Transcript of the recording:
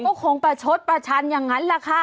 ก็คงประชดประชันอย่างนั้นแหละค่ะ